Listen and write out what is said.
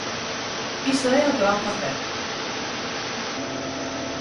¡Iso é o que van facer!